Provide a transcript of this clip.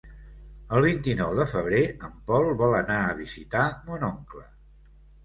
El vint-i-nou de febrer en Pol vol anar a visitar mon oncle.